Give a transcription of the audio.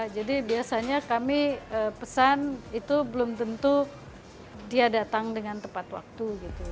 jadi biasanya kami pesan itu belum tentu dia datang dengan tepat waktu